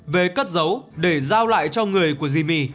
về cất dấu để giao lại cho người của jimmy